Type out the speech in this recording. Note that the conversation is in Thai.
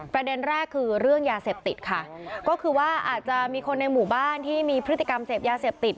ประเด็นแรกคือเรื่องยาเสพติดค่ะก็คือว่าอาจจะมีคนในหมู่บ้านที่มีพฤติกรรมเสพยาเสพติด